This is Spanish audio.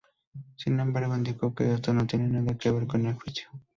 Sin embargo, indicó que esto no tiene nada que ver con el juicio.